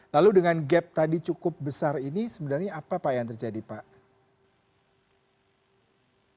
lalu dengan gap tadi cukup besar ini sebenarnya apa pak yang terjadi pak